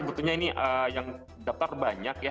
sebetulnya ini yang daftar banyak ya